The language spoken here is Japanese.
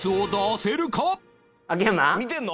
見てるの？